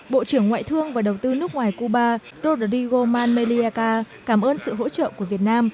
bộ trưởng ngoại thương và đầu tư nước ngoài cuba rodrigo man meliaka cảm ơn sự hỗ trợ của việt nam